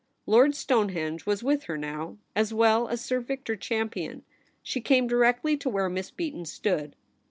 Lord Stonehenge was with her now, as well as Sir Victor Champion. She came directly to where Miss Beaton stood.